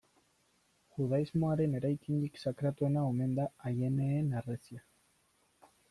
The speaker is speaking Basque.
Judaismoaren eraikinik sakratuena omen da Aieneen Harresia.